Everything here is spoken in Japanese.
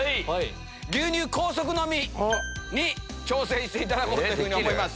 牛乳高速飲みに挑戦していただこうと思います。